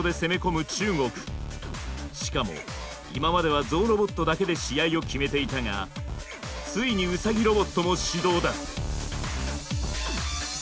しかも今まではゾウロボットだけで試合を決めていたがついにウサギロボットも始動だ。